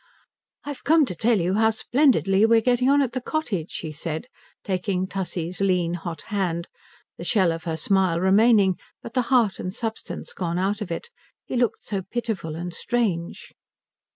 "I've come to tell you how splendidly we're getting on at the cottage," she said taking Tussie's lean hot hand, the shell of her smile remaining but the heart and substance gone out of it, he looked so pitiful and strange.